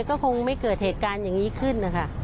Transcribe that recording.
ก็คงไม่เกิดเหตุการณ์อย่างนี้ขึ้นนะคะ